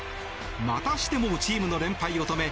またしてもチームの連敗を止め